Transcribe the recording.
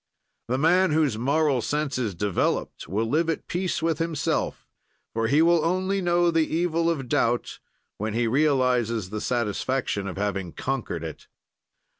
The man whose moral sense is developed will live at peace with himself, for he will only know the evil of doubt when he realizes the satisfaction of having conquered it.